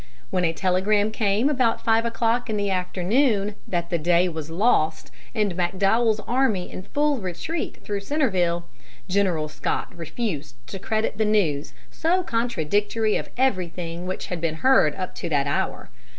When a telegram came about five o'clock in the afternoon, that the day was lost, and McDowell's army in full retreat through Centreville, General Scott refused to credit the news, so contradictory of everything which had been heard up to that hour.